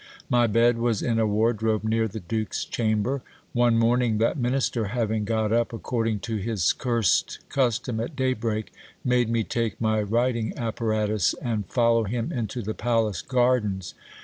My bed was in a wardrobe near the duke's chamber. One morning that minister, having got up according to his cursed custom at daybreak, made me take my writing apparatus, and follow him into the palace gardens.